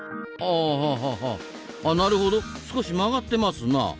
ああっなるほど少し曲がってますな。